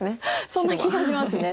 そんな気がします。